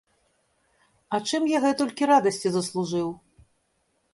А чым я гэтулькі радасці заслужыў?